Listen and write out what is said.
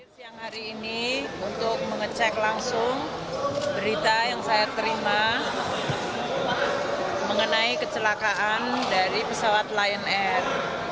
siang hari ini untuk mengecek langsung berita yang saya terima mengenai kecelakaan dari pesawat lion air